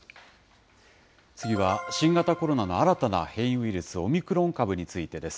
次は新型コロナの新たな変異ウイルス、オミクロン株についてです。